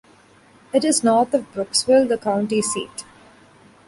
It is north of Brooksville, the county seat.